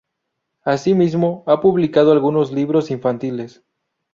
Asimismo, ha publicado algunos libros infantiles.